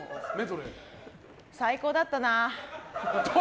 最高だったな。